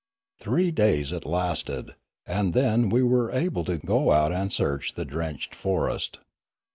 Three days it lasted, and then we were able to go out and search the drenched forest.